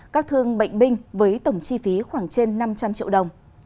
các thương bệnh binh với tổng chi phí khoảng trên năm trăm linh triệu đồng